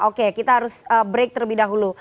oke kita harus break terlebih dahulu